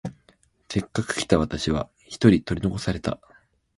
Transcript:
せっかく来た私は一人取り残された。